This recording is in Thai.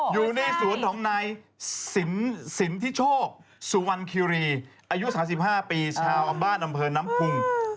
อยู่ในสวนของนายสินทิโชคสุวรรณคิรีอายุ๓๕ปีชาวอำบ้านอำเภอน้ำพุง